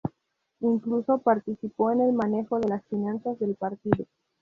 Incluso participó en el manejo de las finanzas del partido.